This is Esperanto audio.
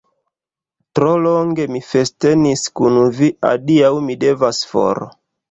Tro longe mi festenis kun vi, adiaŭ, mi devas for!